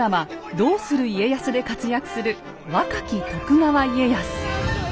「どうする家康」で活躍する若き徳川家康。